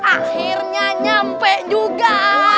akhirnya sampai juga